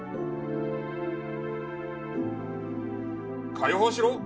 解放しろ？